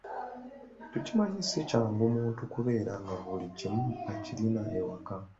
Tumanyi si kyangu muntu kubeera nga buli kimu akirina ewaka.